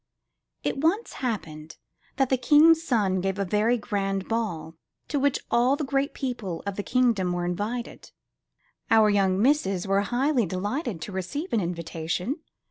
It once happened that the King's son gave a very grand ball, to which all the great people of the king dom were invited. Our young misses were highly delighted to receive an invitation.